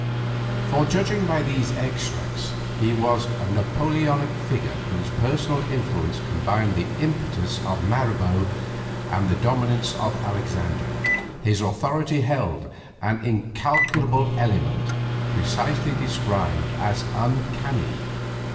For, judging by these extracts, he was a 'Napoleonic figure whose personal influence combined the impetus of Mirabeau and the dominance of Alexander. His authority held an incalculable element, precisely described as uncanny.